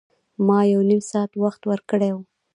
ما یو نیم ساعت وخت ورکړی و.